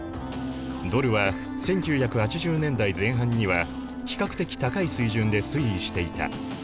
ドルは１９８０年代前半には比較的高い水準で推移していた。